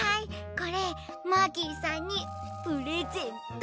これマーキーさんにプレゼント。